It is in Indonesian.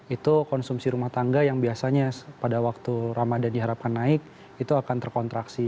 itu konsumsi rumah tangga yang biasanya pada waktu ramadan diharapkan naik itu akan terkontraksi